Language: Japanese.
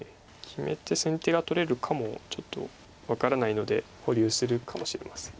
決めて先手が取れるかもちょっと分からないので保留するかもしれません。